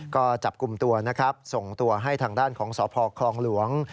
ก็จับกลุ่มตัวนะครับส่งตัวให้ทางด้านของสพคลองหลวง